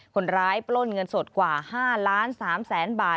คนร้ายปล้นเงินสดกว่า๕๓๐๐๐๐๐บาท